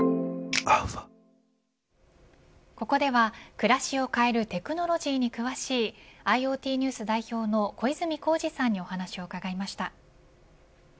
ここでは暮らしを変えるテクノロジーに詳しいＩｏＴＮＥＷＳ代表の小泉耕二さんにお話を伺いました。